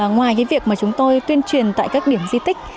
ngoài cái việc mà chúng tôi tuyên truyền tại các điểm di tích